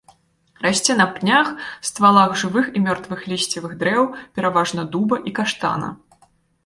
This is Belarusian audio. Расце на пнях, ствалах жывых і мёртвых лісцевых дрэў, пераважна дуба і каштана.